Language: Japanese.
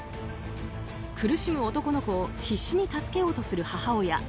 苦しむ男の子を必死に助けようとする母親。